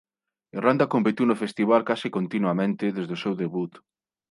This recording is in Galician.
Irlanda competiu no festival case continuamente desde o seu debut.